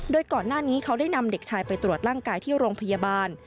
โดยก่อนหน้านี้เขาได้นำเด็กชายไปตรวจร่างกายที่โรงพยาบาล